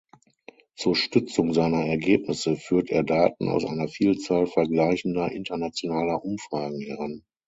Zur Stützung seiner Ergebnisse führt er Daten aus einer Vielzahl vergleichender internationaler Umfragen heran.